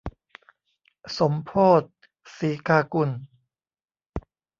สมโภชน์ สีกากุล